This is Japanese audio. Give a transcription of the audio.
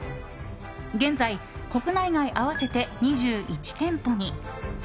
現在、国内外合わせて２１店舗に。